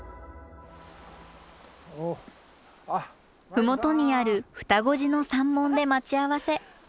麓にある両子寺の山門で待ち合わせ。